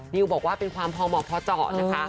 นิวบอกว่าเป็นความพอเหมาะพอเจาะนะคะ